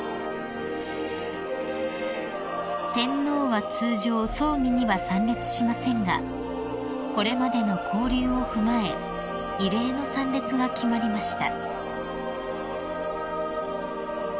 ［天皇は通常葬儀には参列しませんがこれまでの交流を踏まえ異例の参列が決まりました］